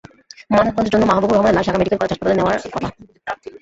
ময়নাতদন্তের জন্য মাহবুবুর রহমানের লাশ ঢাকা মেডিকেল কলেজ হাসপাতালে নেওয়ার কথা।